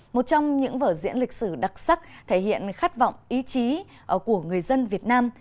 một trong những vở diễn lịch sử đặc sắc thể hiện khát vọng ý chí của người dân việt nam